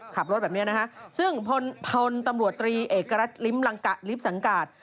ขับรถแบบนี้ซึ่งทะวัลตำรวจตรีเอกรัฐริปสังกาศ